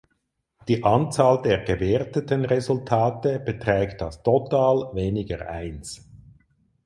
Die Anzahl der gewerteten Resultate beträgt das Total weniger eins.